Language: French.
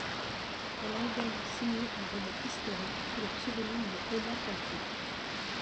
Elle a également signé un roman historique sous le pseudonyme de Emma Campion.